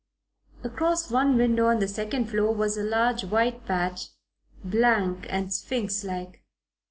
Across one window on the second floor was a large white patch, blank and sphinx like.